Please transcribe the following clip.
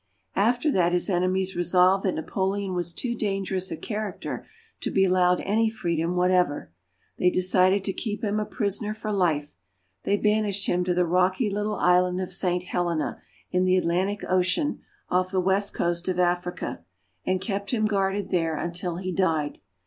After that his enemies resolved that Napoleon was too dangerous a character to be allowed any freedom whatever. They decided to keep him a prisoner for life. They banished him to the rocky little island of St. Helena, in the Atlantic Ocean, off the west coast of HOW FRANCE IS GOVERNED. 123 Africa, and kept him guarded there until he died.